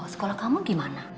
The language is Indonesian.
sekolah kamu gimana